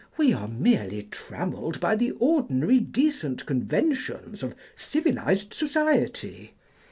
We are merely trammelled by the ordinary decent conventions of civilised society."